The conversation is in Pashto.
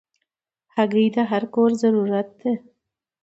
هګۍ د هر کور ضرورت ده.